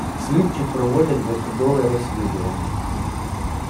Слідчі проводять досудове розслідування.